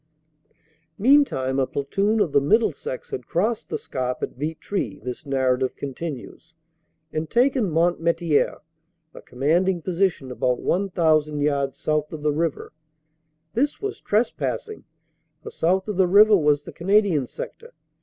"Meantime a platoon of the Middlesex had crossed the Scarpe at Vitry," this narrative continues, "and taken Mont 330 CANADA S HUNDRED DAYS Metier, a commanding position about 1,000 yards south of the river. This was trespassing, for south of the river was the Canadian sector.